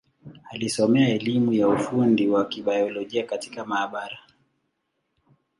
Alisomea elimu ya ufundi wa Kibiolojia katika maabara.